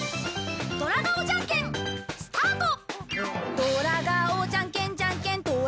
スタート！